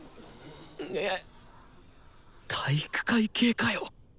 体育会系かよ。